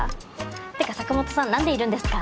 ってか坂本さん何でいるんですか？